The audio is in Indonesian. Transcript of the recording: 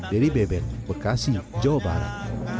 dari bebet bekasi jawa barat